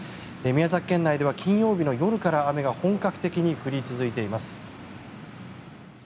宮崎県内では金曜日の夜から雨が本格的に降り続いています。